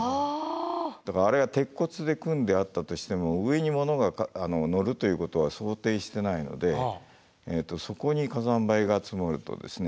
だからあれが鉄骨で組んであったとしても上にものが載るということは想定してないのでそこに火山灰が積もるとですね